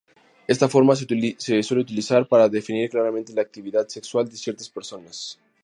Esta forma se suele utilizar para definir claramente la actividad sexual de ciertas personas.